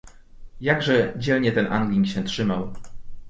"Jakże dzielnie ten Anglik się trzymał!"